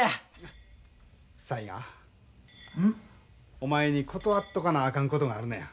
お前に断っとかなあかんことがあるのや。